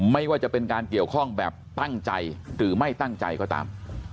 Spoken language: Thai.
ไม่ว่าจะเป็นการเกี่ยวข้องแบบตั้งใจหรือไม่ตั้งใจก็ตาม